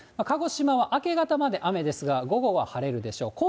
鹿児島は明け方まで雨ですが、午後は晴れるでしょう。